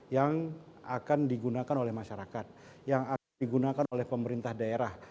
yang akan digunakan oleh masyarakat yang akan digunakan oleh pemerintah daerah